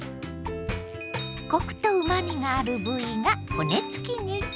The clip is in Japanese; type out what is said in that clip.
コクとうまみがある部位が骨付き肉。